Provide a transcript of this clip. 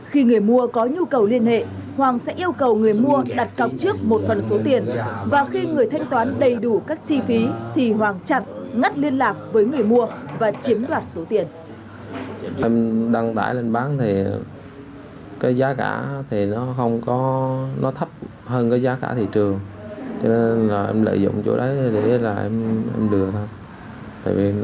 khi người mua có nhu cầu liên hệ hoàng sẽ yêu cầu người mua đặt cặp trước một phần số tiền